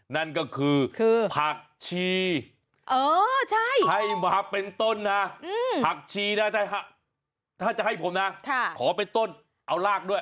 นั่นก็คือผักชีให้มาเป็นต้นนะผักชีนะถ้าจะให้ผมนะขอเป็นต้นเอารากด้วย